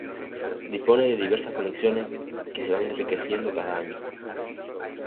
Dispone de diversas colecciones que se van enriqueciendo cada año.